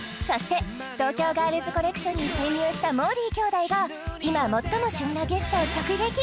そして東京ガールズコレクションに潜入したもーりー兄弟が今最も旬なゲストを直撃！